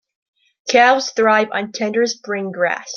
Calves thrive on tender spring grass.